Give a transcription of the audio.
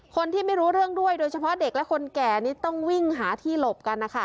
คนที่ไม่รู้เรื่องด้วยโดยเฉพาะเด็กและคนแก่นี้ต้องวิ่งหาที่หลบกันนะคะ